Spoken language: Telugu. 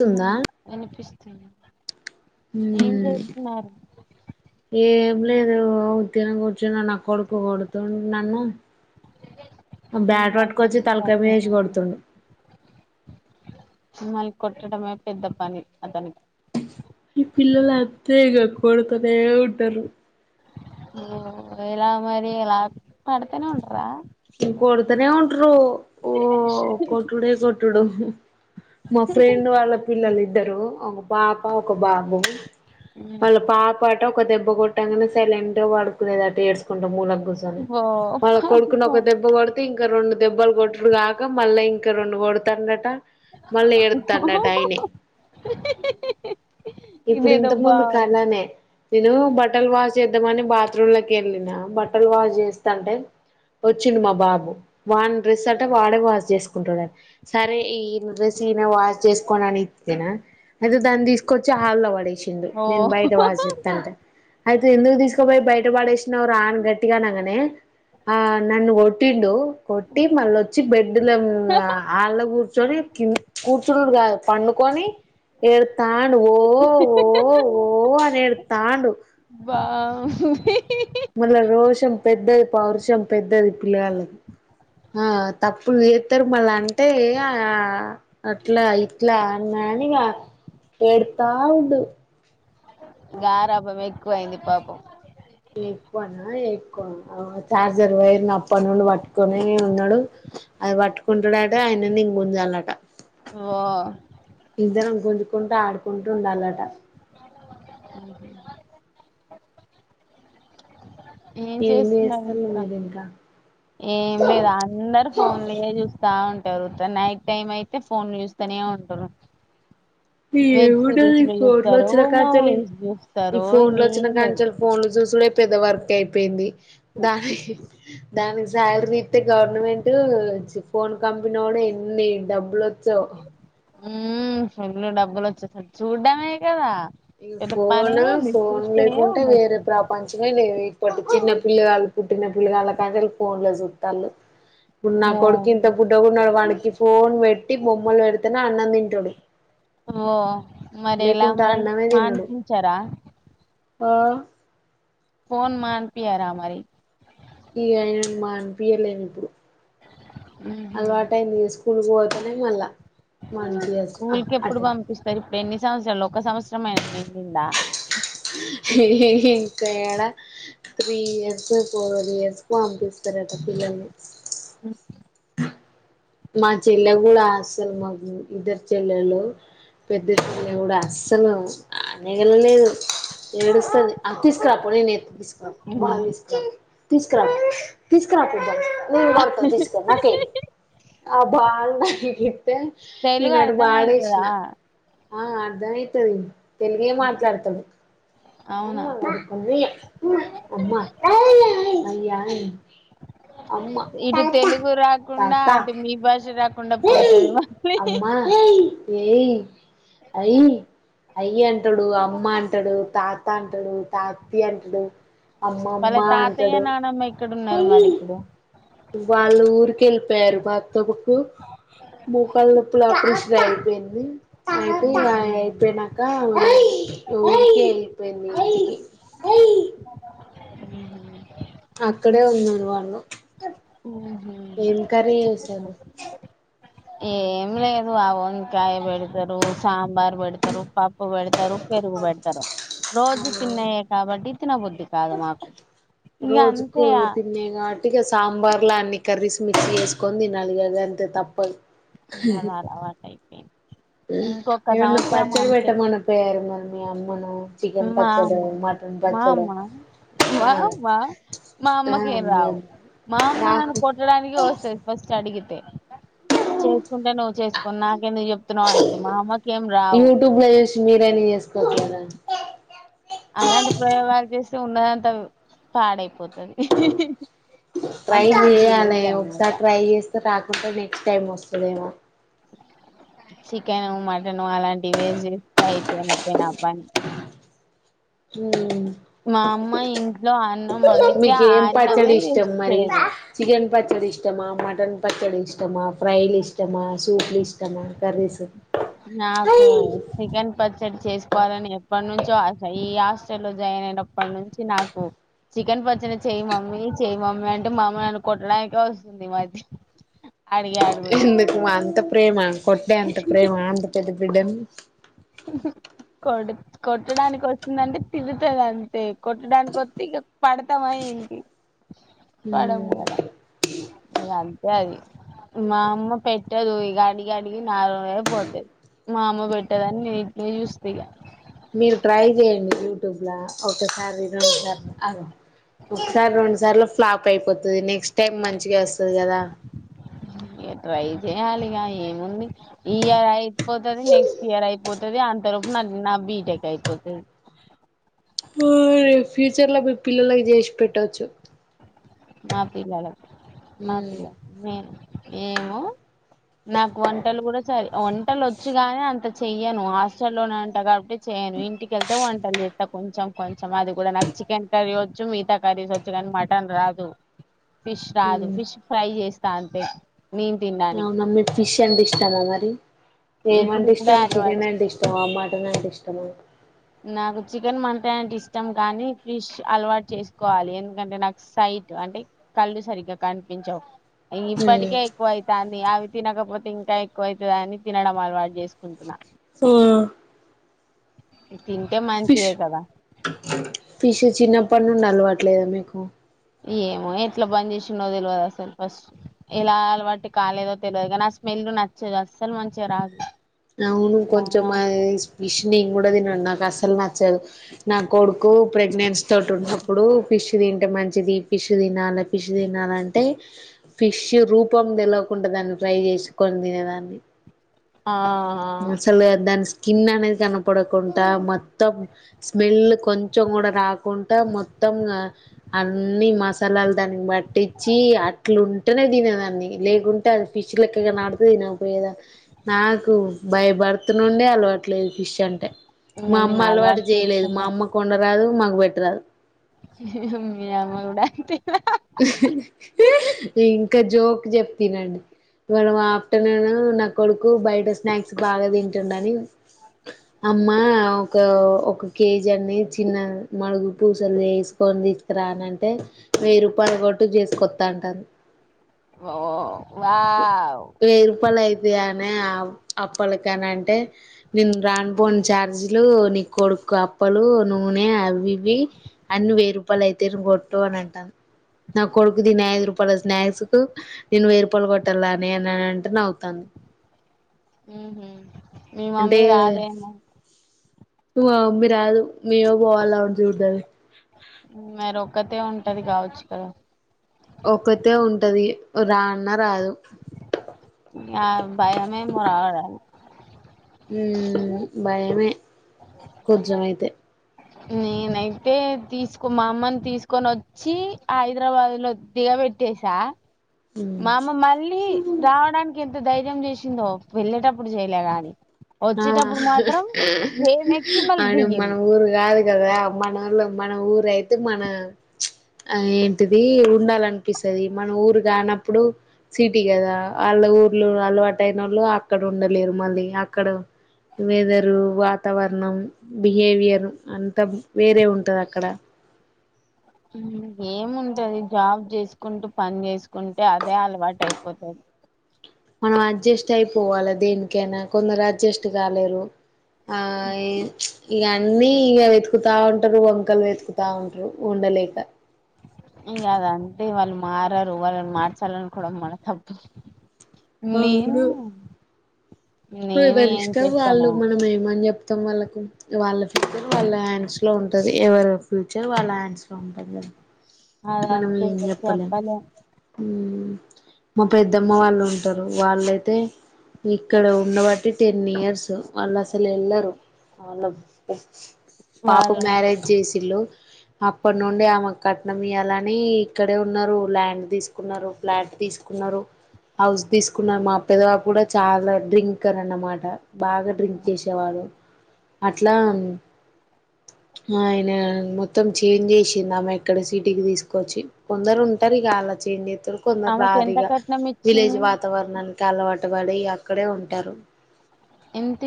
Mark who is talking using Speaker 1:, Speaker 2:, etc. Speaker 1: తుందా
Speaker 2: హ్మ్ అనిపిసు తెలి
Speaker 1: హ్మ్ ఏం లేదు ఓ ఉట్టిగానే కూర్చున్న నా కొడుకు కొడుతుండు నన్ను ఆ బ్యాట్
Speaker 2: మేము
Speaker 1: వట్టుకచ్చి తలకాయ మీద వేసి
Speaker 2: పడుకున్నాము.
Speaker 1: కొడుతుండు
Speaker 2: మల్ కొట్టడమే పెద్ద పని అతనికి
Speaker 1: ఈ పిల్లలు అంతే ఇగ కొడతనే ఉంటారు
Speaker 2: ఇలా ఎలా మరి ఆ పడుతనే ఉంటరా
Speaker 1: ఇం కోడుతనే ఉంటారు ఓ కొట్టుడే కొట్టు టుడు మా ఫ్రెండ్ వాళ్ళ పిల్లలు ఇద్దరు అమో పాప ఒక బాబు అలా పాపాటి అ ఒక దెబ్బ కొట్టగానే సైలెంట్గా పడుకునేది అటు ఏడ్చుకుంటాం మూల
Speaker 2: ఓ
Speaker 1: దెబ్బ కొడితే ఇంకా రెండు దెబ్బలు కొట్టటుడు కాక మళ్ళీ ఇంకా రెండు కొడతారున్నట మళ్ళీ ఎడుతుాండట ఆయనే ఇప్పుడు
Speaker 2: ఇదేదో
Speaker 1: ఇంత ముందు
Speaker 2: బాగుంది
Speaker 1: కాలనే నేను బట్టల్ వాష్ చేద్దామని బాత్రూమ్ లోకి వెళ్ళిన బట్టల్ వాష్ చేస్తా అంటే వచ్చిండు మా బాబు వాడిన డ్రెస్ అంటే వాడే వాష్ చేసుకుంటుడు సరే ఈ డ్రెస్ ఈయన వాష్ చేసుకోని అని ఇస్తే అయితే దాన్ని తీసుకొచ్చి హళ వాడి
Speaker 2: ఓ
Speaker 1: నేను బయట వా చెప్తా అంటే అయితే ఎందుకు తీసుకోపోయి బయట ష్ట ఆన్ గట్టిగా నగనే ఆ వటిండు కొట్టి మళ్ళ వచ్చి బెడ్ల ఆళ్ళ కూర్చొని కి కూర్చు కాదు పండుకొని ఏడుతాడు ఓ ఓ ఓ అని ఎదుతండు
Speaker 2: ఓహ
Speaker 1: మళ్ళా రోషం పెద్దది పౌరుషం పెద్దది పిల్లలకి ఆ తప్పులు చేస్తారు మళ్ళా అంటే ఆ అట్లా ఇట్లా అన్నానిగా పెడతా ఉడు
Speaker 2: గారాబం ఎక్కువ అయ్యింది పాపం
Speaker 1: ఎక్కువనా ఎక్కువ చార్జర్ వైర్ నప్ప నుండి పట్టుకుొనే ఉన్నాడు అది పట్టుకుంటాడుట ఆయన ఇం ముజాలట
Speaker 2: వా
Speaker 1: చకుంటూ ఆడుకుంటూ ఉండాలట
Speaker 2: అఓకే ఏం చేస్తున్నారు ఇంకా ఏం లేదు అందరు ఫోన్లు చూస్తా ఉంట జరుగుత నైట్ టైమ్ అయితే ఫోన్ చూస్తనే ఉంటారు వెబ్
Speaker 1: ఏమింటదు ఈ
Speaker 2: సిరీస్లు
Speaker 1: ఫోన్లో
Speaker 2: చూస్తారు
Speaker 1: వచ్చినా కాంచాలాలు
Speaker 2: మూవీస్
Speaker 1: ఈ
Speaker 2: చూస్తారు
Speaker 1: ఫోన్ లో
Speaker 2: ఏం
Speaker 1: వచ్చినా
Speaker 2: లేవు
Speaker 1: కాంచాలు ఫోన్లు చూసుడ పెద్ద వర్క్ అయిపోయింది దాని దానికి సాలరీ ఇస్తతే గవర్నమెంట్ ఫోన్ కంపెనీ కూడా ఎన్ని డబ్బులు
Speaker 2: ఉ ఎన్న డబ్బ వచ్చ జూ డమ కదా
Speaker 1: ఇక
Speaker 2: పెద్ద పని
Speaker 1: ఫోన్
Speaker 2: ఏముంది
Speaker 1: ఫోన్
Speaker 2: చూస్తే
Speaker 1: లేకుంటే వేరే
Speaker 2: ఉండొచ్చు
Speaker 1: ప్రపంచమే లేవ టి చిన్న పిల్లవాళ్ళు పుట్టిన పిల్ల వాళ్ళ కానీ వాళ్ళ ఫోన్ లో చిత్తలుు ఉన్నా
Speaker 2: ఓ
Speaker 1: కొడుకింత బుడ్డ కూడాన్నాడు వాణకి ఫోన్ పెట్టి బొమ్మలు పెడితేనే అన్నం తింటాడు
Speaker 2: ఓ మరి ఎలా మరి
Speaker 1: అన్నమే
Speaker 2: మన్
Speaker 1: తినడు
Speaker 2: చార
Speaker 1: ఆ
Speaker 2: పోన్ మాన్పియర మరి
Speaker 1: ఇక అయన మా అనిపియలేమి ఇప్పుడు
Speaker 2: ఊహూ
Speaker 1: అలవాటయింది స్కూల్కి పోతేనే మళ్ళా మంచి డ్రెస్ ఆ
Speaker 2: స్కూల్ కి ఎప్పుడు
Speaker 1: అటె
Speaker 2: పంపిస్తారు ఇప్పుడు ఎన్ని సంవత్సరాలు ఒక సంవత్సరమైన నిండిందా
Speaker 1: ఇంకా ఎడ త్రీ ఇయర్స్ ఫోర్ ఇయర్స్ కు పంపిస్తారట పిల్లల్ని మా చెల్లె కూడా అస్సలు మాకు ఇద్దరు చెల్లెలు పెద్ద చెల్లె కూడా అస్సలు అనేగలలేదు ఏడుస్తంది అ తీసుకురా అప్పుడు నేను ఎ తీసుకు అ బాల్ దీస్కో తీసుకరాపో తీసుకరాపో బాల్ నన్ బర్త తీసుకొ నాకే ఆ బాగున్నా పెట్టతే నేను
Speaker 2: తెలుగు
Speaker 1: నటు
Speaker 2: అర్ధం అయితదా
Speaker 1: బాడసిన ఆ అర్దమయితది తెలుగే మాట్లాడతడు
Speaker 2: అవునా
Speaker 1: అమ్
Speaker 2: ఇ మీ బసు కొండ పోతది మళ్ళి
Speaker 1: ఏయ అయ్ అయి అంటాడు అమ్మ అంటాడు తాత అంటాడు తాతి అంటడు
Speaker 2: వాళ్ళ
Speaker 1: అమ్మమ్మా
Speaker 2: తాతయ్య
Speaker 1: అంటాడు
Speaker 2: నానమ్మ ఎక్కడున్నారు మరి ఇప్పుడు
Speaker 1: వాళ్ళూర్ తిల్ పేరు పా తుబుకు మోకాళ్ల నొప్పుల ఆపరేషన్ అయిపోయింది హా ఐతే ఐపోయినాక ఊరికి ఎల్పోయింది
Speaker 2: ఆ
Speaker 1: అక్కడే ఉన్నారు వాళ్ళు ఏం కర్రీ చేసారు.
Speaker 2: ఏం లేదు ఆ వంకాయ పెడతారు. సాంబార్ పెడతారు పప్పు పెడతారు పెరుగు పెడతారు రోజు తిన్నాయే కాబట్టి తిన బుద్ధి కాదు మాకు ఇగ అంతే ఆ
Speaker 1: వట్టిగా సాంబార్ల అన్ని కర్రీస్ మిక్స్ చేేసుకొని తినాలి. ఇగ అంతే తప్పదు
Speaker 2: ఈయయాలా వంట ఐప్ అ
Speaker 1: ఎమ్మన్న పచ్చడి పెట్ట మన పోయారు మరి మీ అమ్మను చికెన్
Speaker 2: మా
Speaker 1: పచ్చడో
Speaker 2: అమ్మ
Speaker 1: మటన్
Speaker 2: మా
Speaker 1: పచ్చడో
Speaker 2: అమ్మ మా
Speaker 1: ఆ
Speaker 2: అమ్మా మా
Speaker 1: ఆ
Speaker 2: అమ్మకేం రావు మా అమ్మ నన్ను
Speaker 1: నాకు
Speaker 2: కొట్టడానికి వస్తది. ఫస్ట్ అడిగితే చేసుకుంటే నువ్వు చేసుకో నాకేంటి
Speaker 1: యూట్యూబ్ లో చూసి బిర్యానీ చేసుకోచ్చు కదా
Speaker 2: అలాంటి ప్రయోగాలు చేస్తే ఉన్నదంతా పాడైపోతది
Speaker 1: ట్రై
Speaker 2: అంత మంచిగా
Speaker 1: చేయ్యాలి.
Speaker 2: చేస్తా అనమాట
Speaker 1: ఒకసారి ట్రై చేస్ రాకుట్టే నెక్స్ట్ టైమ్ వస్తదేమో
Speaker 2: చికెను మటను అలాంటి వేసి చేస్తే అయిపోయినట్టే నా పని
Speaker 1: మ్
Speaker 2: మా ఇంట్
Speaker 1: మీకు ఏం పచ్చడి ఇష్టం
Speaker 2: వేస్ట్
Speaker 1: మరి
Speaker 2: చేయదు
Speaker 1: చికెన్ పచ్చడి పచ్చడి ఇష్టమా మటన్ పచ్చడి ఇష్టమా ఫ్రై లు ఇష్టమా సూప్లు ఇష్టమా కర్రీ స్
Speaker 2: నాకు చికెన్ పచ్చడి చేసుకోవాలని ఎప్పట్నుంచో ఆశ ఈ హాస్టల్లో లో జాయిన్ అయినప్పటి నుంచి నాకు చికెన్ పచ్చడి చేయి మమ్మీ చేయి మమ్మీ అంటే అమ్మ నన్ను కొట్టడానికే వస్తుంది. మరి
Speaker 1: ఎందుకు మా అంత ప్రేమ కొట్టే అంత ప్రేమ అంతా పెద్ద బిడ్డని
Speaker 2: కొడు కొట్టడానికి వస్తుందంటే తిడతది. అంతే కొట్టడానికి వస్తే ఇంక పడతామా ఏంటి
Speaker 1: మ్మ్
Speaker 2: పడము కదా ఇగ అంతే అది మా అమ్మ పెట్టదు. ఇక అడిగి అడిగి నానోరే పోతది మా అమ్మ పెట్టదని పిలుస్త ఇగ
Speaker 1: మీరు ట్రై చేయ్యెండి యూట్యూబ్ల ఒకసారి రెండు సార్లు అగో ఒకసారి రెండు సార్లు ఫ్లాప్ అయిపోతది నెక్స్ట్ టైం మంచిగా వస్తది కదా
Speaker 2: చేయాలిగా ఏముంది ఈ ఇయర్ అయిపోతది నెక్స్ట్ ఇయర్ అయిపోతది అంతలోపు నా బీటెక్ అయిపోతది
Speaker 1: రేపు ఫ్యూచర్లా మీ పిల్లలకి చేసి పెట్టొచ్చు
Speaker 2: మా పిల్లలా మా పిల్ల మేను ఏమో నాకు వంటలు కూడా సరి వంటలు వచ్చు కాగాని అంత చెయ్యను హాస్టల్లోనే ఉంట కాబట్టి చెయ్యను ఇంటికెళ్తే వంటలు చేస్తా కొంచెం కొంచెం అది కూడా నాకు చికెన్ కర్రీ వచ్చు మిగతా కర్రీస్ వచ్చు కానీ మటన్ రా దు ఫిష్ రాదు ఫిష్ ఫ్రై చేస్ త అంతే మీన్
Speaker 1: ఆ నమ్ ఫిష్ అంటే ఇష్టం మా మరి
Speaker 2: ఇప్పుడు
Speaker 1: ఏమంటే
Speaker 2: ఇప్పుడే
Speaker 1: ఇష్టం
Speaker 2: అలవాటు
Speaker 1: చికెన్ అంటే
Speaker 2: చేసు
Speaker 1: ఇష్టమా మటన్ అంటే ఇష్టమా?
Speaker 2: నాకు చికెన్ మంటే అంటే ఇష్టం కానీ ఫిష్ అలవాటు చేసుకోవాలి. ఎందుకంటే నాకు సైట్ అంటే కళ్ళు సరిగ్గా కనిపించవు ఇప్పటికే ఎక్కువ అయితాం అవి తినకపోతే ఇంకా ఎక్కువ అయితదని తినడం అలవాటు చేసుకుంటున్నా
Speaker 1: మ్
Speaker 2: తింటే మంచిదే కదా!
Speaker 1: ఫిష్ చిన్నప్పడి నుండి అలవట్లేదా మీకు?
Speaker 2: ఏమో ఎట్లా బంద్ చేసిండో తెల్వదు అస్సలు ఫస్ట్ ఎలా అలవాట్ కాలేదో తెలియదు కానీ ఆ స్మెల్ నచ్చదు అస్సలు మంచిగా రాదు.
Speaker 1: అవును కొంచమ విష్ని కూడాడది న నాకు అస్సలు నచ్చదు నా కొడుకు ప్రెగ్నెన్సీ తోటి ఉన్నప్పుడు ఫిష్ తింటే మంచిది ఫిష్ తినాలి ఫిష్ తినాలంటే ఫిష్ రూపం తెలవకుండా దాన్ని ఫ్రై చేసుకొని తినేదాన్ని
Speaker 2: ఆ
Speaker 1: సల్దా అ స్కిన్ అనేది కనపడకుండా మొత్తం స్మెల్ కొంచెం కూడా రాకుండా మొత్తం ఆ అన్ని మసాలాలు దానికి పట్టించి అట్లు ఉంటేనే తినేదాన్ని లేకుంటే అది ఫిష్ లెక్కగా నాడితే తినకపోయేదా నాకు భయపడుతు నుండి అలవట్లేదు ఫిష్ అంటే
Speaker 2: ఇంగ
Speaker 1: మా అమ్మ
Speaker 2: నేను
Speaker 1: అలవాటు చేయలేదు మా
Speaker 2: చేసుకుంటా
Speaker 1: అమ్మ కొండరాదు మాకు పెట్రాదు
Speaker 2: ఇడ
Speaker 1: ఇంకా జోక్ చెప్తినండి మనం ఆ అట్ట నేను నా కొడుకు బయట స్నాక్స్ బాగా తింటుండని అమ్మ ఓ ఒక ఒక కేజీ అన్నీ చిన్న మడుగు పూసలు వేసుకొని తీసుకురానంటే మీరు పడగొట్టు చేసుకొస్తా అంటను
Speaker 2: ఓ వా
Speaker 1: ఇది అనే అప్పలక అని అంటే నేను రానిపోని ఛార్జ్లు నీ కొడుకు అప్పలు నూనె అవి ఇవి అన్ని వెయ్యి రూపాయలు అయితే కొట్టు అని అంటాను నా కొడుకు దీన్ని ఐదు రూపాయలు స్నాక్స్ కు నేను వెయ్యి రూపాయల నే కొట్టాల అని అని అంటే నవుతాంది
Speaker 2: ఉ ఉ మీ మమ్మీ రాదేమో
Speaker 1: త మీరాదు మేమే పోవాలా
Speaker 2: మరి ఒక్కతే ఉంటది కావచ్చు కదా
Speaker 1: ఒక్కతే ఉంటది రా అన్న రాదు
Speaker 2: ఆ భయంమే మరాడాల
Speaker 1: ఉ భయమే కొజ్జమయితే
Speaker 2: నేనైతే తీసుకో మా అమ్మని తీసుకొని వచ్చి హైదరాబాదులో దిగబెట్టేసా
Speaker 1: ఉమ్
Speaker 2: మామ మళ్ళీ రావడానికి ఏంది ఎంత ధైర్యం చేసిందో వెళ్లేటప్పుడు చేయలే గాని
Speaker 1: ఆ
Speaker 2: వచ్చేటప్పుడు మాత్రం ట్రైన్ ఎక్కి మళ్ళీ
Speaker 1: అవును మన
Speaker 2: దిగింది
Speaker 1: ఊరు కాదు కదా అ మన ఊర్లో మన ఊరు అయితే మన ఆ ఏంటిది ఉండాలనిపిస్తది మన ఊరు కానప్పుడు సిటీ కదా వాళ్ల ఊర్లో అలవాటైనోళ్ళు అక్కడ ఉండలేరు మళ్ళీ అక్కడ వెదరు వాతావరణం బిహేవియర్ అంతా వేరే ఉంటది అక్కడ
Speaker 2: ఏముంటది జాబ్ చేసుకుంటూ పని చేసుకుంటే అదే అలవాటు అయిపోతది
Speaker 1: మనం అడ్జస్ట్ అయిపోవాలి దేనికైనా కొందరు అడ్జస్ట్ కాలేరు ఆ ఏ ఇగ అన్నీ వెతుకుతా ఉంటారు వంకలు వెతుకుతా ఉంటారు ఉండలేక
Speaker 2: ఇకా అదంటే వాళ్ళు మారరు వాళ్ళని మార్చాలి అనుకోవడం మన తప్పు నేను
Speaker 1: అవును
Speaker 2: నేను
Speaker 1: ఎవరి
Speaker 2: ఏం
Speaker 1: ఇష్టం వాళ్ళు
Speaker 2: చేస్తానో
Speaker 1: మనం ఏమని చెప్ మొత్తం వాళ్ళకు కూతురు వాళ్ళ హ్యాండ్స్ ఉంటది ఎవరి ఫ్యూచర్ వాళ్ళ హ్యాండ్స్ ఉంటదికదా మనం
Speaker 2: అదంతే
Speaker 1: ఏం
Speaker 2: ఇగ
Speaker 1: చెప్పలేం ఊ మా పెద్దమ్మ వాళ్ళు ఉ ఉంటారు వాళ్ళైతే ఇక్కడ ఉండబట్టి టెన్ ఇయర్స్ వాళ్ళు అసలు ఎల్లరు అవును పాప
Speaker 2: వాళ్ళు
Speaker 1: మ్యారేజ్ చేసిళ్ళు అప్పట్నుండి ఆమె కట్నం మీయ్యలాని ఇక్కడే ఉన్నారు ల్యాండ్ తీసుకున్నారు ఫ్లాట్ తీసుకున్నారు హౌస్ తీసుకున్నారు మా పెద్దవాపు కూడా చాలా డ్రింకర్ అన్నమాట బాగా డ్రింక్ చేసేవాడు అట్లా ఆయన మొత్తం చేంజ్ చేసింది ఆమె ఇక్కడ సిటీకితీసుకొచ్చి కొందరు ఉంటారు ఇగ అలా చేంజ్ కొందరు
Speaker 2: ఆమెకి ఎంత
Speaker 1: రారీగా
Speaker 2: కట్నం
Speaker 1: విలేజ్
Speaker 2: ఇచ్చింది
Speaker 1: వాతావరణాన్ కలవాటు పడి అక్కడే ఉంటారు
Speaker 2: ఏంతి